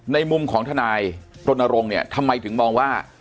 ในมุมของทนายรณรงค์เนี่ยทำไมถึงมองว่า